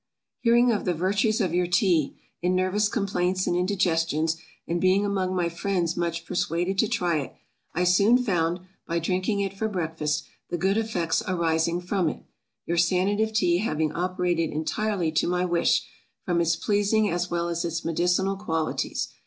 HEARING of the virtues of your Tea, in nervous complaints and indigestions, and being among my friends much persuaded to try it, I soon found, by drinking it for breakfast, the good effects arising from it; your Sanative Tea having operated entirely to my wish, from its pleasing as well as its medicinal qualities.